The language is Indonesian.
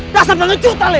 rasanya banget ngecut ali